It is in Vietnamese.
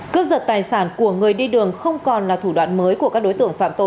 cơ giật tài sản của người đi đường không còn là thủ đoạn mới của các đối tượng